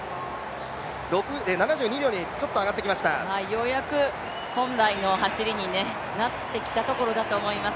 ようやく本来の走りになってきたところだと思います。